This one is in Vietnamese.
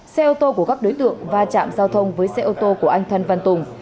xe ô tô của các đối tượng va chạm giao thông với xe ô tô của anh thân văn tùng